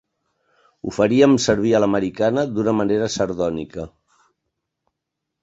Ho faríem servir a l'americana d'una manera sardònica.